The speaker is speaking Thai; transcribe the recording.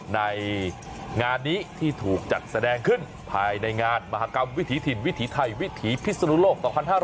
ในงานนี้ที่ถูกจัดแสดงขึ้นภายในงานมหากรรมวิถีถิ่นวิถีไทยวิถีพิศนุโลก๒๕๕๙